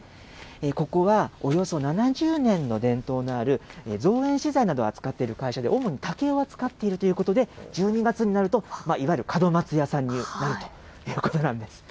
ここは、およそ７０年の伝統のある造園資材などを扱っている会社で、主に竹を扱っているということで、１２月になると、いわゆる門松屋さんになるということなんです。